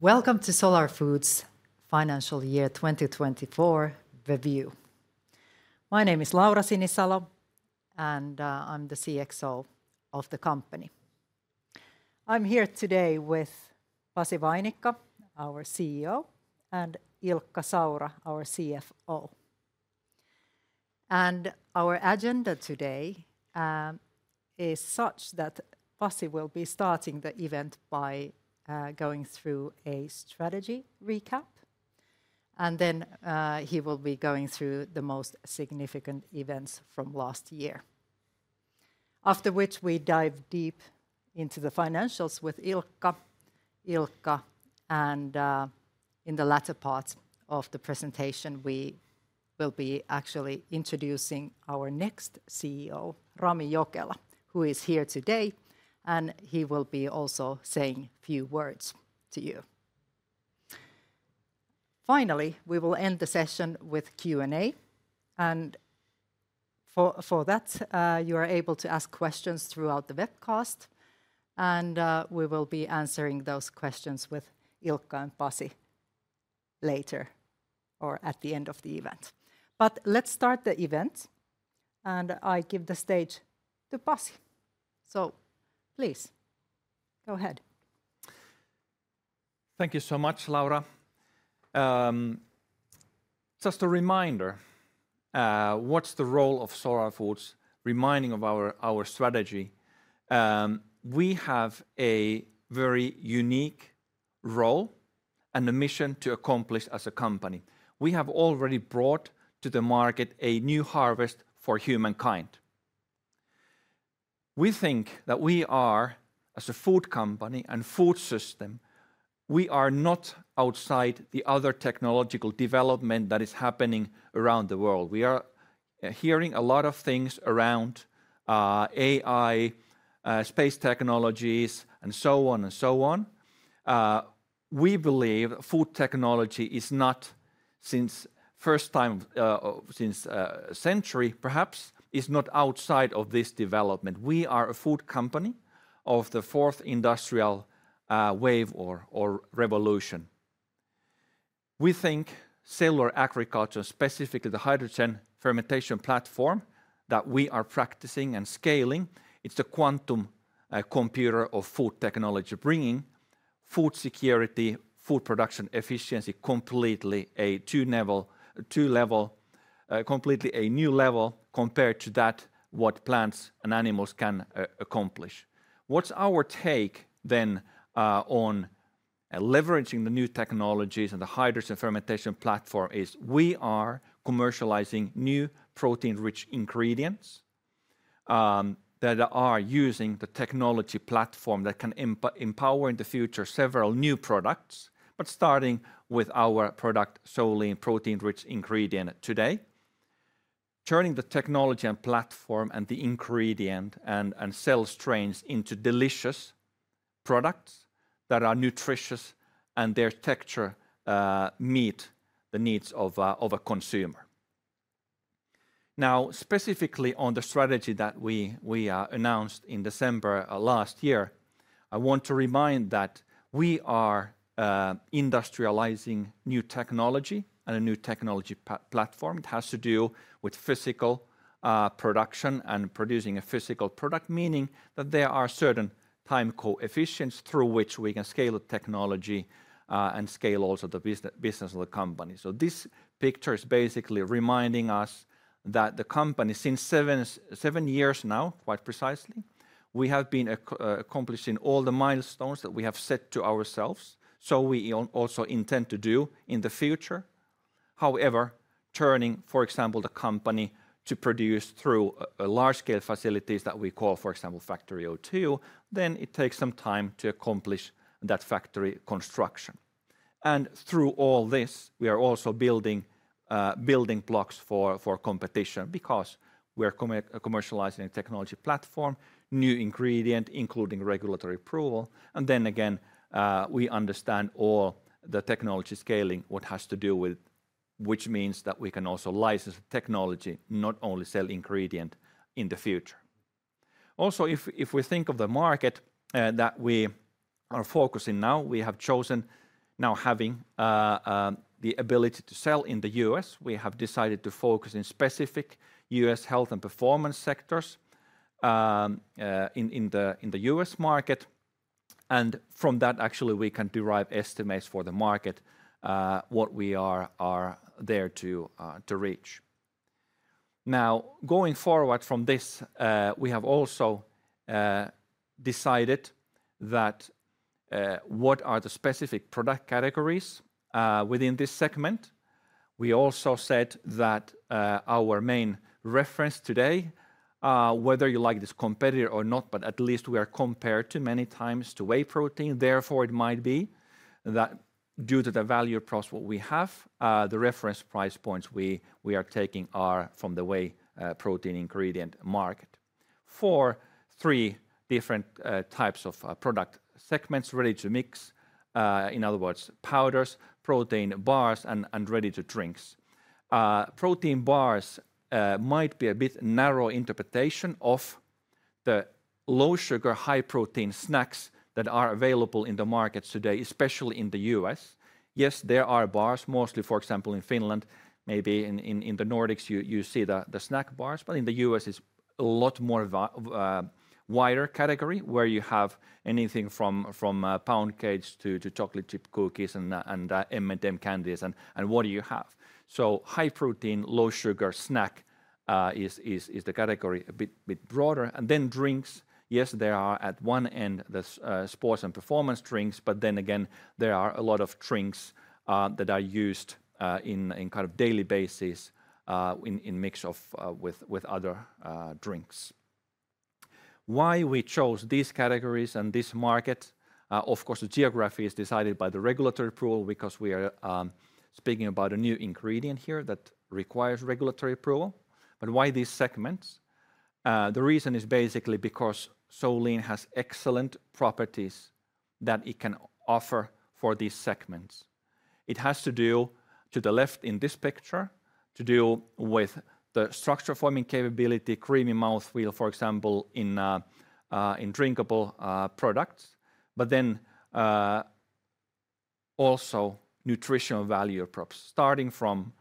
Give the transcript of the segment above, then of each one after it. Welcome to Solar Foods' financial year 2024 review. My name is Laura Sinisalo, and I'm the CXO of the company. I'm here today with Pasi Vainikka, our CEO, and Ilkka Saura, our CFO. Our agenda today is such that Pasi will be starting the event by going through a strategy recap, and then he will be going through the most significant events from last year, after which we dive deep into the financials with Ilkka. In the latter part of the presentation, we will be actually introducing our next CEO, Rami Jokela, who is here today, and he will be also saying a few words to you. Finally, we will end the session with Q&A, and for that, you are able to ask questions throughout the webcast, and we will be answering those questions with Ilkka and Pasi later or at the end of the event. Let's start the event, and I give the stage to Pasi. Please, go ahead. Thank you so much, Laura. Just a reminder, what's the role of Solar Foods? Reminding of our strategy, we have a very unique role and a mission to accomplish as a company. We have already brought to the market a new harvest for humankind. We think that we are, as a food company and food system, we are not outside the other technological development that is happening around the world. We are hearing a lot of things around AI, space technologies, and so on and so on. We believe food technology is not, since first time since a century, perhaps, is not outside of this development. We are a food company of the fourth industrial wave or revolution. We think cellular agriculture, specifically the hydrogen fermentation platform that we are practicing and scaling, it's a quantum computer of food technology bringing food security, food production efficiency completely to a new level, completely a new level compared to that what plants and animals can accomplish. What's our take then on leveraging the new technologies and the hydrogen fermentation platform is we are commercializing new protein-rich ingredients that are using the technology platform that can empower in the future several new products, but starting with our product, Solein protein-rich ingredient today, turning the technology and platform and the ingredient and cell strains into delicious products that are nutritious and their texture meet the needs of a consumer. Now, specifically on the strategy that we announced in December last year, I want to remind that we are industrializing new technology and a new technology platform. It has to do with physical production and producing a physical product, meaning that there are certain time coefficients through which we can scale the technology and scale also the business of the company. This picture is basically reminding us that the company, since seven years now, quite precisely, we have been accomplishing all the milestones that we have set to ourselves. We also intend to do in the future. However, turning, for example, the company to produce through large-scale facilities that we call, for example, Factory 02, it takes some time to accomplish that factory construction. Through all this, we are also building blocks for competition because we're commercializing a technology platform, new ingredient, including regulatory approval. We understand all the technology scaling, what has to do with, which means that we can also license technology, not only sell ingredient in the future. Also, if we think of the market that we are focusing now, we have chosen now having the ability to sell in the U.S., we have decided to focus in specific U.S. health and performance sectors in the U.S. market. From that, actually, we can derive estimates for the market, what we are there to reach. Now, going forward from this, we have also decided that what are the specific product categories within this segment. We also said that our main reference today, whether you like this competitor or not, but at least we are compared to many times to whey protein. Therefore, it might be that due to the value proposal we have, the reference price points we are taking are from the whey protein ingredient market for three different types of product segments, Ready-to-Mix, in other words, powders, protein bars, and Ready-to-Drinks. Protein bars might be a bit narrow interpretation of the low sugar, high protein snacks that are available in the market today, especially in the U.S. Yes, there are bars, mostly, for example, in Finland, maybe in the Nordics, you see the snack bars, but in the U.S., it is a lot more wider category where you have anything from pound cakes to chocolate chip cookies and M&M candies and what do you have. High protein, low sugar snack is the category a bit broader. Drinks, yes, there are at one end the sports and performance drinks, but there are a lot of drinks that are used on a daily basis in mix with other drinks. Why we chose these categories and this market, of course, the geography is decided by the regulatory approval because we are speaking about a new ingredient here that requires regulatory approval. Why these segments? The reason is basically because Solein has excellent properties that it can offer for these segments. It has to do, to the left in this picture, with the structure-forming capability, creamy mouthfeel, for example, in drinkable products, but also nutritional value props, starting from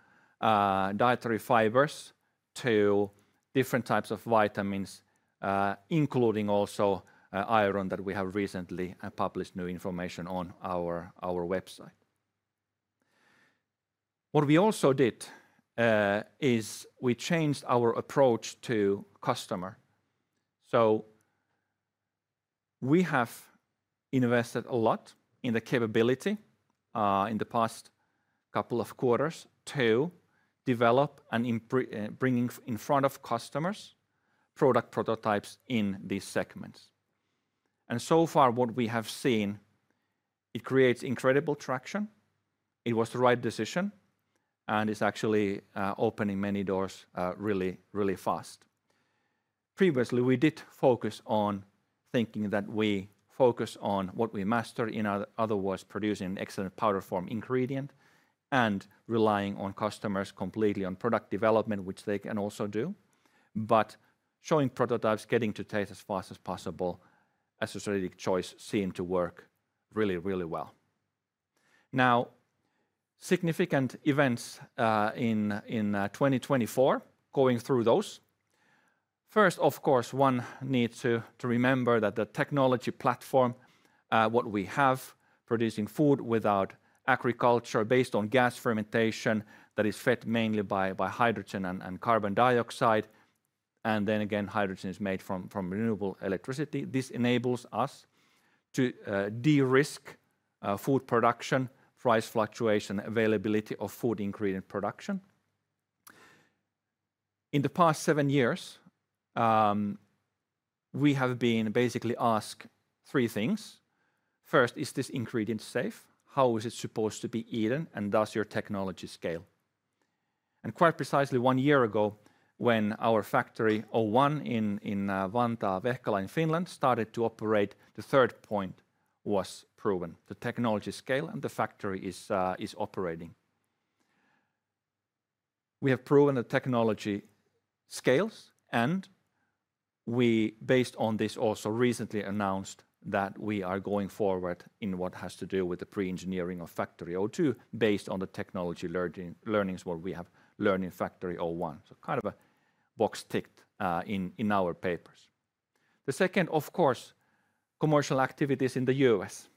dietary fibers to different types of vitamins, including also iron that we have recently published new information on our website. What we also did is we changed our approach to customer. We have invested a lot in the capability in the past couple of quarters to develop and bring in front of customers product prototypes in these segments. So far, what we have seen, it creates incredible traction. It was the right decision, and it's actually opening many doors really, really fast. Previously, we did focus on thinking that we focus on what we master, in other words, producing an excellent powder form ingredient and relying on customers completely on product development, which they can also do, but showing prototypes, getting to taste as fast as possible as a strategic choice seemed to work really, really well. Now, significant events in 2024, going through those. First, of course, one needs to remember that the technology platform, what we have producing food without agriculture based on gas fermentation that is fed mainly by hydrogen and carbon dioxide, and then again, hydrogen is made from renewable electricity. This enables us to de-risk food production, price fluctuation, availability of food ingredient production. In the past seven years, we have been basically asked three things. First, is this ingredient safe? How is it supposed to be eaten? Does your technology scale? Quite precisely, one year ago, when our Factory 01 in Vantaa, Vehkala in Finland, started to operate, the third point was proven. The technology scale and the factory is operating. We have proven that technology scales, and we, based on this, also recently announced that we are going forward in what has to do with the pre-engineering of Factory 02 based on the technology learnings where we have learned in Factory 01. Kind of a box ticked in our papers. The second, of course, commercial activities in the U.S.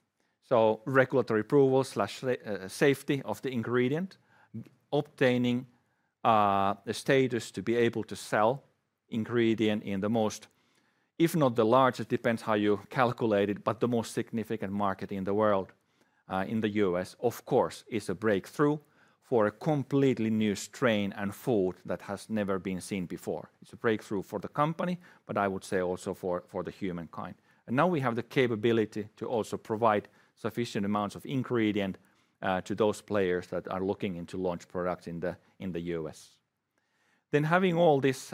Regulatory approval/safety of the ingredient, obtaining the status to be able to sell ingredient in the most, if not the largest, depends how you calculate it, but the most significant market in the world, in the U.S., of course, is a breakthrough for a completely new strain and food that has never been seen before. It is a breakthrough for the company, but I would say also for humankind. Now we have the capability to also provide sufficient amounts of ingredient to those players that are looking into launch products in the US. Having all these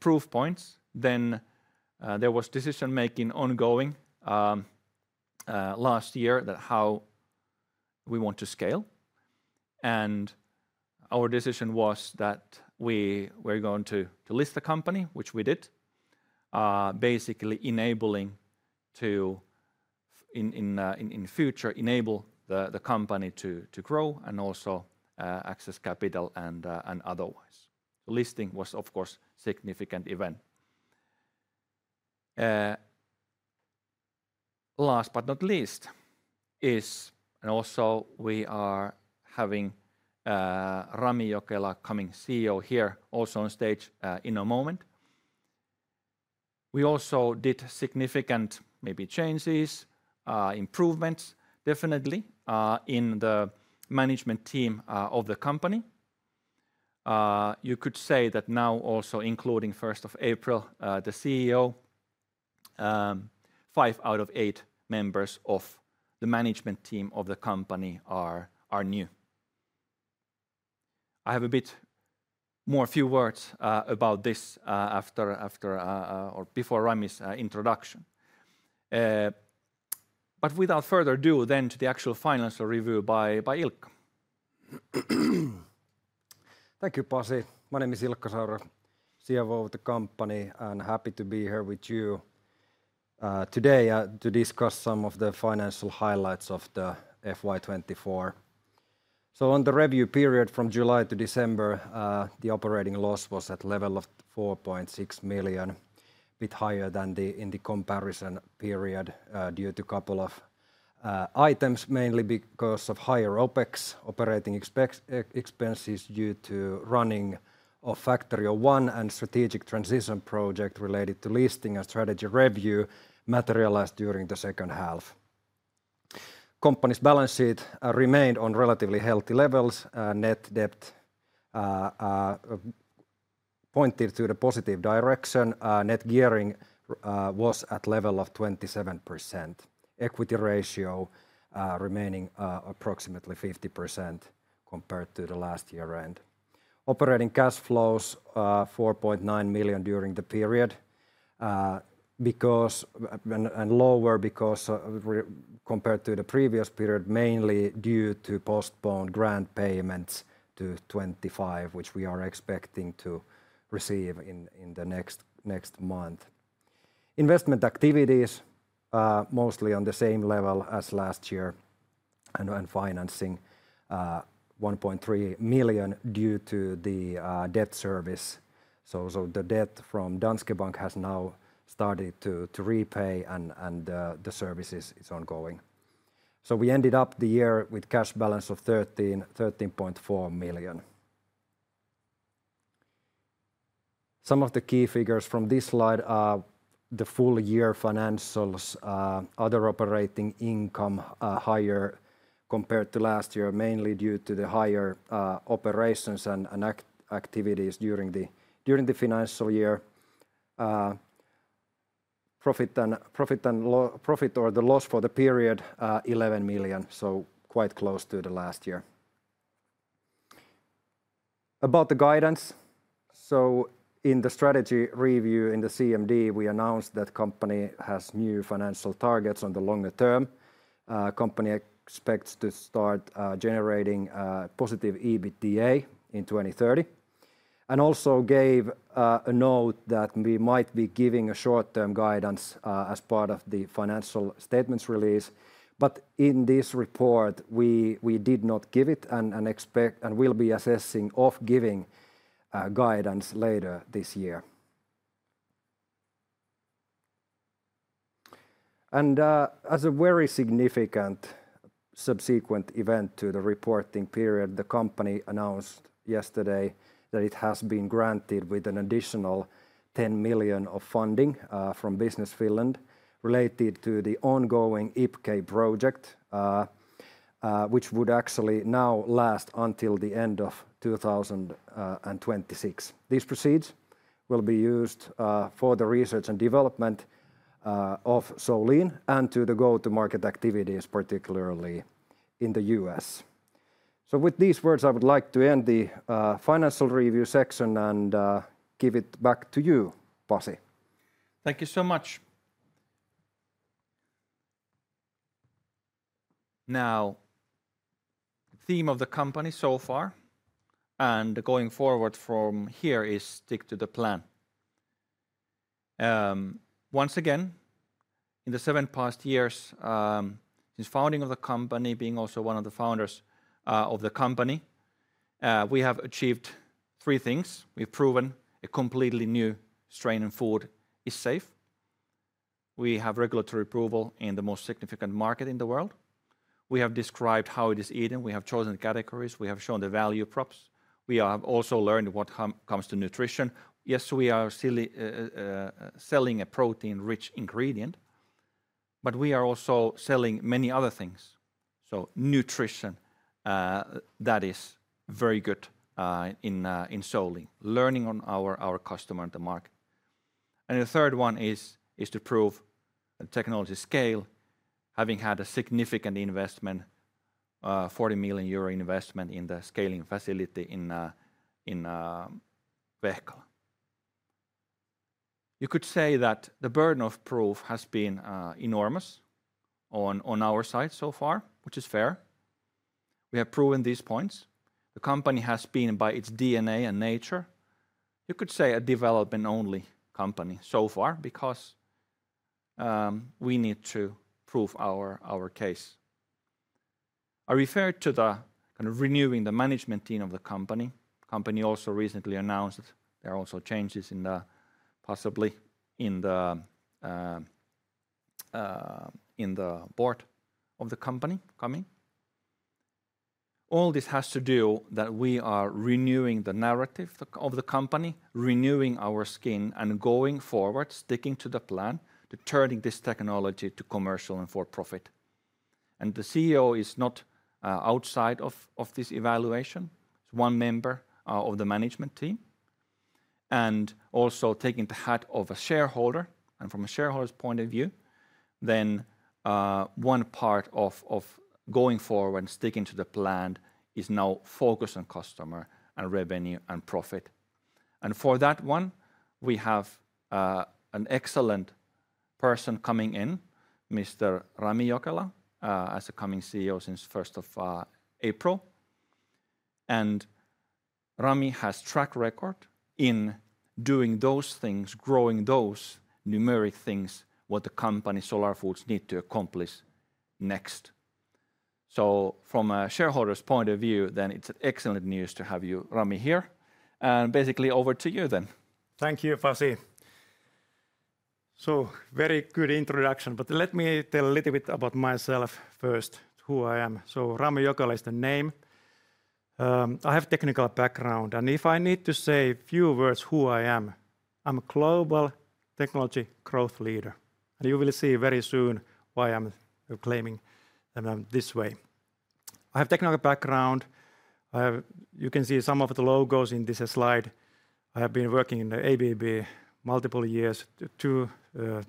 proof points, there was decision-making ongoing last year that how we want to scale. Our decision was that we were going to list the company, which we did, basically enabling to, in future, enable the company to grow and also access capital and otherwise. Listing was, of course, a significant event. Last but not least is, and also we are having Rami Jokela coming CEO here also on stage in a moment. We also did significant maybe changes, improvements, definitely in the management team of the company. You could say that now also including 1st of April, the CEO, five out of eight members of the management team of the company are new. I have a bit more few words about this after or before Rami's introduction. Without further ado, to the actual final review by Ilkka. Thank you, Pasi. My name is Ilkka Saura, CFO of the company, and happy to be here with you today to discuss some of the financial highlights of the FY24. On the review period from July to December, the operating loss was at level of 4.6 million, a bit higher than in the comparison period due to a couple of items, mainly because of higher OpEx, operating expenses due to running of Factory 01 and strategic transition project related to listing and strategy review materialized during the second half. Company's balance sheet remained on relatively healthy levels. Net debt pointed to the positive direction. Net gearing was at level of 27%. Equity ratio remaining approximately 50% compared to the last year end. Operating cash flows 4.9 million during the period, lower compared to the previous period, mainly due to postponed grant payments to 2025, which we are expecting to receive in the next month. Investment activities mostly on the same level as last year, and financing 1.3 million due to the debt service. The debt from Danske Bank has now started to repay and the service is ongoing. We ended up the year with a cash balance of 13.4 million. Some of the key figures from this slide are the full year financials. Other operating income higher compared to last year, mainly due to the higher operations and activities during the financial year. Profit or the loss for the period 11 million, so quite close to the last year. About the guidance, in the strategy review in the CMD, we announced that the company has new financial targets on the longer term. The company expects to start generating positive EBITDA in 2030 and also gave a note that we might be giving a short-term guidance as part of the financial statements release. In this report, we did not give it and will be assessing giving guidance later this year. As a very significant subsequent event to the reporting period, the company announced yesterday that it has been granted an additional 10 million of funding from Business Finland related to the ongoing IPCEI project, which would actually now last until the end of 2026. These proceeds will be used for the research and development of Solein and to the go-to-market activities, particularly in the US. With these words, I would like to end the financial review section and give it back to you, Pasi. Thank you so much. Now, the theme of the company so far and going forward from here is stick to the plan. Once again, in the seven past years since founding of the company, being also one of the founders of the company, we have achieved three things. We've proven a completely new strain and food is safe. We have regulatory approval in the most significant market in the world. We have described how it is eaten. We have chosen categories. We have shown the value props. We have also learned what comes to nutrition. Yes, we are selling a protein-rich ingredient, but we are also selling many other things. Nutrition that is very good in Solein, learning on our customer and the market. The third one is to prove technology scale, having had a significant investment, 40 million euro investment in the scaling facility in Vehkala. You could say that the burden of proof has been enormous on our side so far, which is fair. We have proven these points. The company has been by its DNA and nature, you could say a development-only company so far because we need to prove our case. I referred to the kind of renewing the management team of the company. The company also recently announced that there are also changes possibly in the board of the company coming. All this has to do with that we are renewing the narrative of the company, renewing our skin and going forward, sticking to the plan, turning this technology to commercial and for profit. The CEO is not outside of this evaluation. It's one member of the management team. Also taking the hat of a shareholder and from a shareholder's point of view, one part of going forward and sticking to the plan is now focus on customer and revenue and profit. For that one, we have an excellent person coming in, Mr. Rami Jokela, as a coming CEO since 1st of April. Rami has track record in doing those things, growing those numeric things, what the company Solar Foods need to accomplish next. From a shareholder's point of view, it is excellent news to have you, Rami, here. Basically over to you then. Thank you, Pasi. Very good introduction, but let me tell a little bit about myself first, who I am. Rami Jokela is the name. I have technical background, and if I need to say a few words who I am, I'm a global technology growth leader. You will see very soon why I'm claiming this way. I have technical background. You can see some of the logos in this slide. I have been working in ABB multiple years, two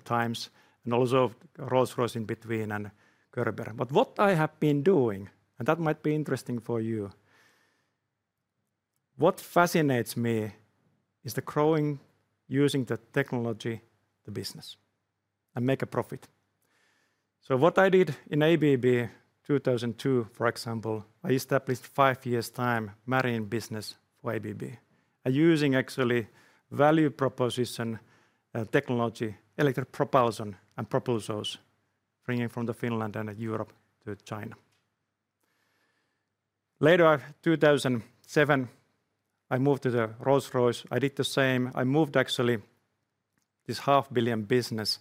times, and also Rolls-Royce in between and Gerresheimer. What I have been doing, and that might be interesting for you, what fascinates me is the growing using the technology to business and make a profit. What I did in ABB in 2002, for example, I established five years' time Marine business for ABB, using actually value proposition technology, electric propulsion and propulsors bringing from Finland and Europe to China. Later in 2007, I moved to Rolls-Royce. I did the same. I moved actually this half billion business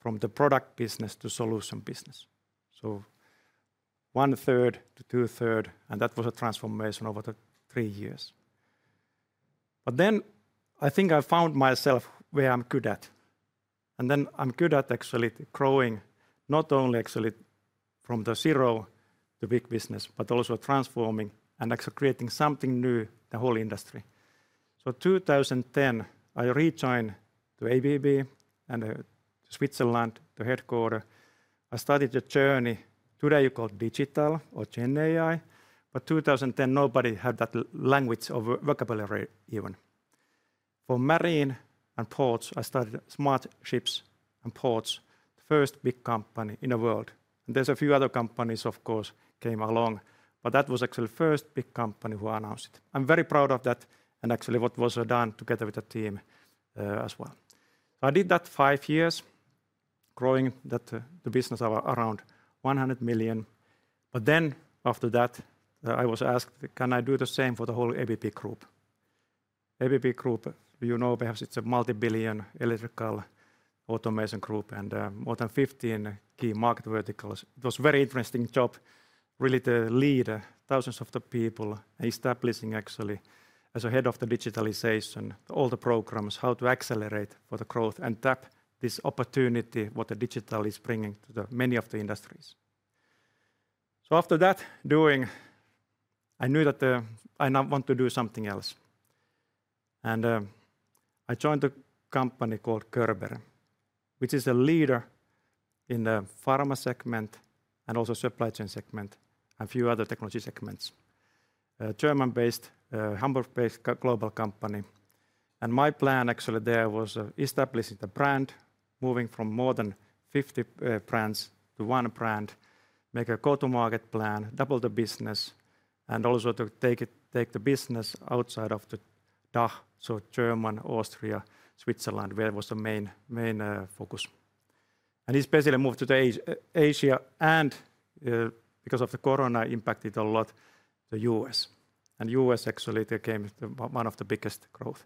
from the product business to solution business. So one third to two thirds, and that was a transformation over three years. I think I found myself where I'm good at. I'm good at actually growing not only actually from zero to big business, but also transforming and actually creating something new, the whole industry. In 2010, I rejoined ABB in Switzerland to headquarter. I started a journey today called Digital or GenAI, but in 2010, nobody had that language or vocabulary even. For marine and ports, I started Smart Ships and Ports, the first big company in the world. There's a few other companies, of course, came along, but that was actually the first big company who announced it. I'm very proud of that and actually what was done together with the team as well. I did that five years, growing the business around 100 million. After that, I was asked, can I do the same for the whole ABB group? ABB group, you know, perhaps it's a multi-billion electrical automation group and more than 15 key market verticals. It was a very interesting job, really to lead thousands of the people and establishing actually as a Head of Digitalization, all the programs, how to accelerate for the growth and tap this opportunity what the digital is bringing to many of the industries. After that doing, I knew that I want to do something else. I joined a company called Gerresheimer, which is a leader in the pharma segment and also supply chain segment and a few other technology segments, a German-based, Hamburg-based global company. My plan actually there was establishing the brand, moving from more than 50 brands to one brand, make a go-to-market plan, double the business, and also to take the business outside of the DACH, so Germany, Austria, Switzerland, where was the main focus. Especially moved to Asia and because of the corona impacted a lot the U.S. U.S. actually became one of the biggest growth.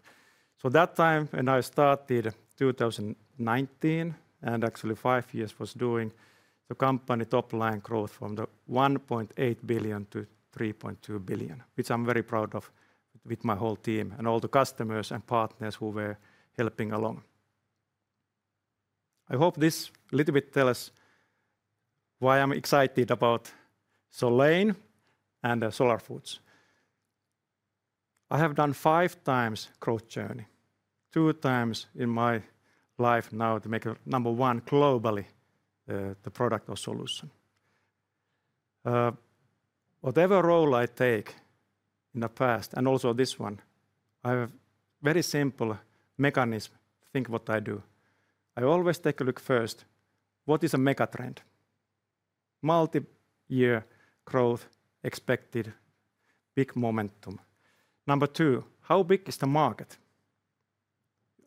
At that time when I started in 2019, and actually five years was doing the company top line growth from 1.8 billion to 3.2 billion, which I'm very proud of with my whole team and all the customers and partners who were helping along. I hope this a little bit tells why I'm excited about Solein and Solar Foods. I have done five times growth journey, two times in my life now to make a number one globally the product or solution. Whatever role I take in the past and also this one, I have a very simple mechanism. Think what I do. I always take a look first, what is a mega trend? Multi-year growth expected, big momentum. Number two, how big is the market?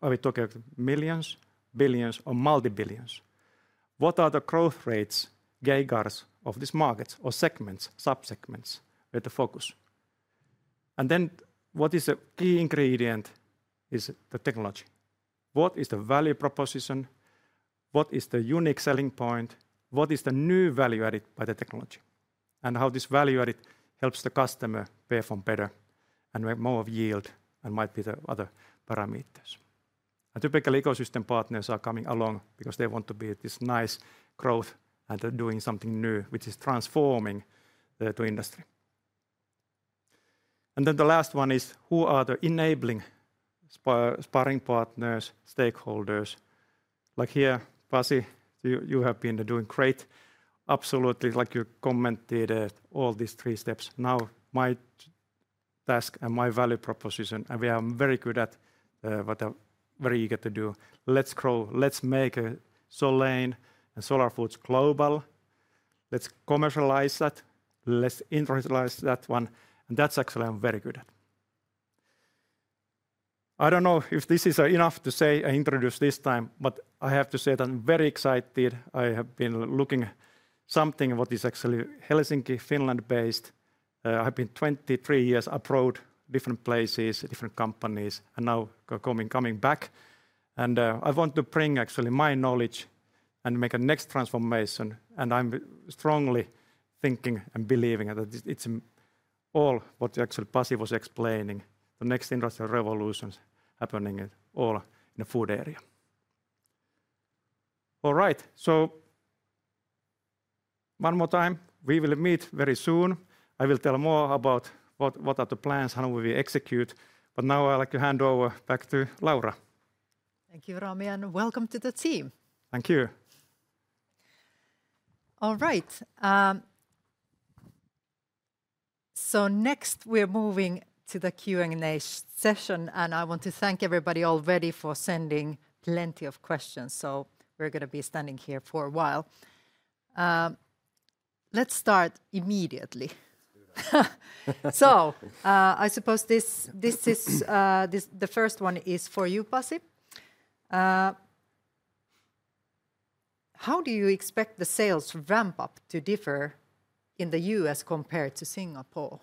Are we talking millions, billions, or multi-billions? What are the growth rates, CAGRs of these markets or segments, subsegments with the focus? What is a key ingredient is the technology. What is the value proposition? What is the unique selling point? What is the new value added by the technology? How this value added helps the customer pay for better and more of yield and might be the other parameters. Typical ecosystem partners are coming along because they want to be this nice growth and they're doing something new, which is transforming the industry. The last one is who are the enabling sparring partners, stakeholders. Like here, Pasi, you have been doing great. Absolutely, like you commented all these three steps. Now my task and my value proposition, and we are very good at what I'm very eager to do. Let's grow, let's make Solein and Solar Foods global. Let's commercialize that, let's industrialize that one. That's actually what I'm very good at. I don't know if this is enough to say I introduce this time, but I have to say that I'm very excited. I have been looking at something what is actually Helsinki, Finland-based. I've been 23 years abroad, different places, different companies, and now coming back. I want to bring actually my knowledge and make a next transformation. I'm strongly thinking and believing that it's all what actually Pasi was explaining, the next industrial revolutions happening all in the food area. All right, one more time, we will meet very soon. I will tell more about what are the plans, how will we execute. Now I'd like to hand over back to Laura. Thank you, Rami, and welcome to the team. Thank you. All right. Next we are moving to the Q&A session, and I want to thank everybody already for sending plenty of questions. We are going to be standing here for a while. Let's start immediately. I suppose this first one is for you, Pasi. How do you expect the sales ramp up to differ in the US. compared to Singapore?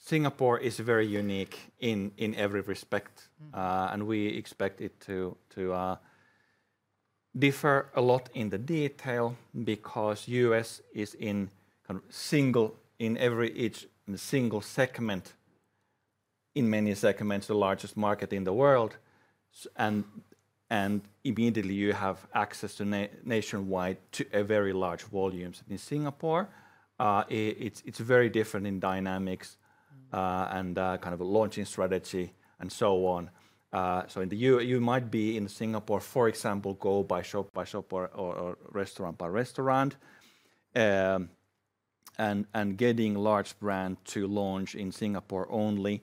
Singapore is very unique in every respect, and we expect it to differ a lot in the detail because the U.S. is in each single segment, in many segments, the largest market in the world. Immediately you have access nationwide to very large volumes. In Singapore, it is very different in dynamics and kind of launching strategy and so on. In the U.S., you might be, in Singapore for example, going shop by shop or restaurant by restaurant. Getting a large brand to launch in Singapore only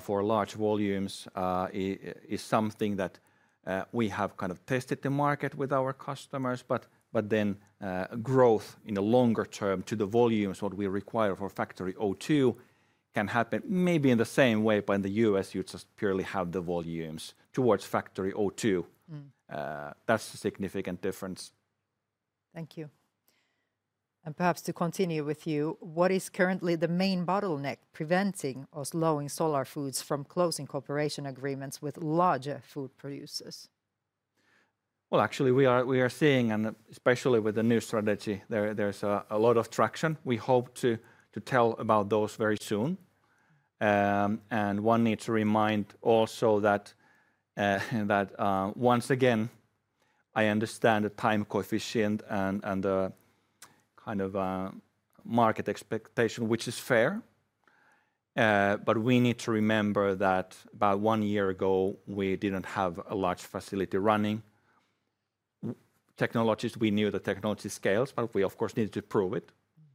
for large volumes is something that we have kind of tested the market with our customers. Growth in the longer term to the volumes that we require for Factory 02 can happen maybe in the same way, but in the U.S. you just purely have the volumes towards Factory 02. That's a significant difference. Thank you. Perhaps to continue with you, what is currently the main bottleneck preventing or slowing Solar Foods from closing cooperation agreements with larger food producers? Actually, we are seeing, and especially with the new strategy, there's a lot of traction. We hope to tell about those very soon. One needs to remind also that once again, I understand the time coefficient and the kind of market expectation, which is fair. We need to remember that about one year ago, we didn't have a large facility running. Technologies, we knew the technology scales, but we of course needed to prove it.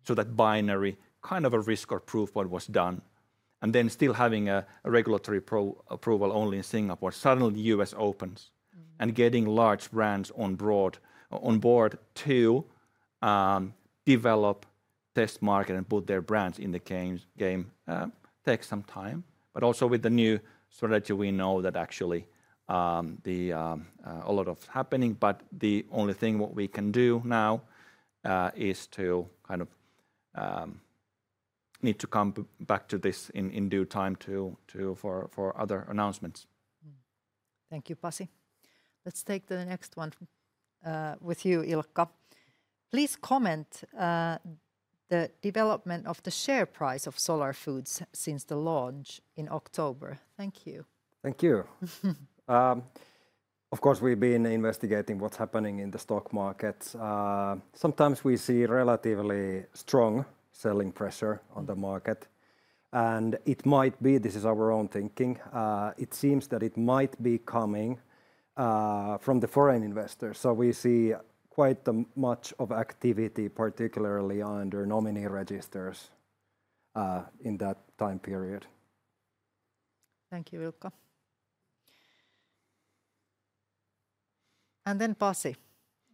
That binary kind of a risk or proof was done. Still having a regulatory approval only in Singapore, suddenly the U.S. opens and getting large brands on board to develop, test market, and put their brands in the game takes some time. Also with the new strategy, we know that actually a lot is happening. The only thing what we can do now is to kind of need to come back to this in due time for other announcements. Thank you, Pasi. Let's take the next one with you, Ilkka. Please comment the development of the share price of Solar Foods since the launch in October. Thank you. Thank you. Of course, we've been investigating what's happening in the stock markets. Sometimes we see relatively strong selling pressure on the market. It might be, this is our own thinking, it seems that it might be coming from the foreign investors. We see quite much of activity, particularly under nominee registers in that time period. Thank you, Ilkka. Pasi,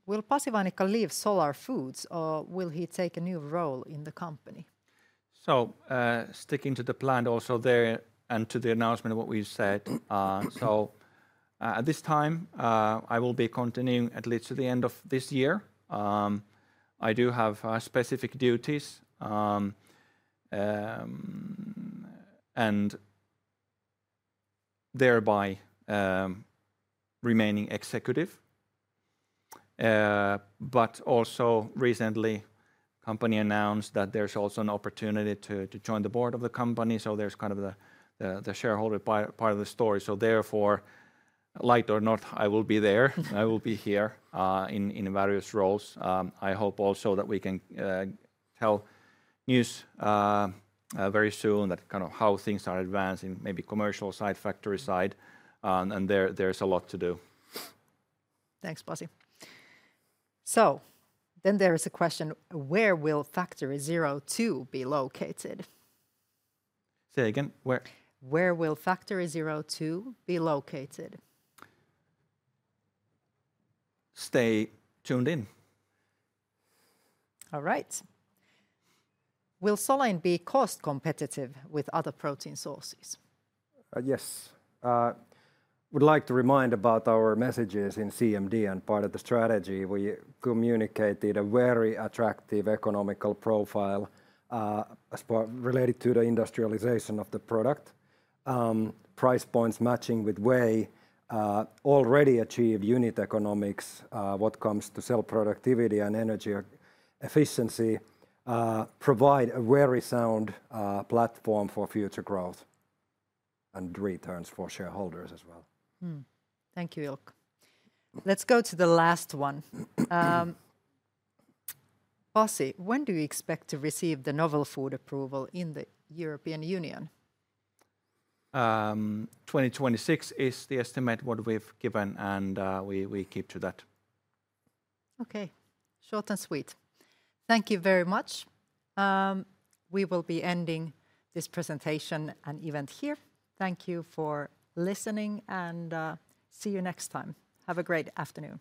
will Pasi Vainikka leave Solar Foods or will he take a new role in the company? Sticking to the plan also there and to the announcement of what we said. At this time, I will be continuing at least to the end of this year. I do have specific duties and thereby remaining executive. Also recently, the company announced that there is also an opportunity to join the board of the company. There is kind of the shareholder part of the story. Therefore, like it or not, I will be there. I will be here in various roles. I hope also that we can tell news very soon that kind of how things are advancing, maybe commercial side, factory side. There is a lot to do. Thanks, Pasi. There is a question, where will Factory 02 be located? Say again, where? Where will Factory 02 be located? Stay tuned in. All right. Will Solein be cost competitive with other protein sources? Yes. I would like to remind about our messages in CMD and part of the strategy. We communicated a very attractive economical profile related to the industrialization of the product. Price points matching with whey already achieve unit economics what comes to cell productivity and energy efficiency, provide a very sound platform for future growth and returns for shareholders as well. Thank you, Ilkka. Let's go to the last one. Pasi, when do you expect to receive the novel food approval in the European Union? 2026 is the estimate what we've given and we keep to that. Okay. Short and sweet. Thank you very much. We will be ending this presentation and event here. Thank you for listening and see you next time. Have a great afternoon.